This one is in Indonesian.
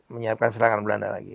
menyiapkan serangan belanda lagi